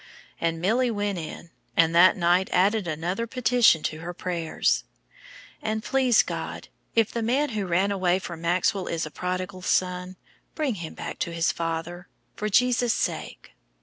And Milly went in, and that night added another petition to her prayers: "And please God, if the man who ran away from Maxwell is a prodigal son, bring him back to his father for Jesus' sake.